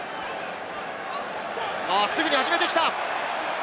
すぐに始めてきた！